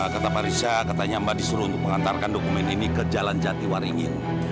kata pak risha katanya mbak disuruh untuk mengantarkan dokumen ini ke jalan jatiwaringin